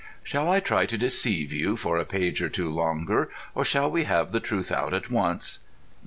Shall I try to deceive you for a page or two longer, or shall we have the truth out at once?